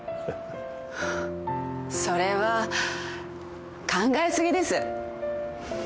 それは考え過ぎです。